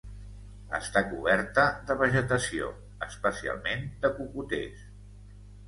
Està coberta de vegetació, especialment de cocoters.